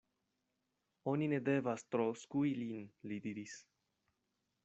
Oni ne devas tro skui lin, li diris.